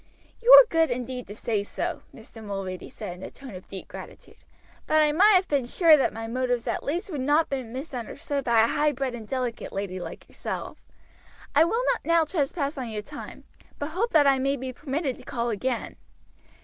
"You are good indeed to say so," Mr. Mulready said in a tone of deep gratitude; "but I might have been sure that my motives at least would not be misunderstood by a high bred and delicate lady like yourself. I will not now trespass on your time, but hope that I may be permitted to call again.